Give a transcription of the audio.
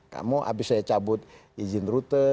kamu habis saya cabut izin rute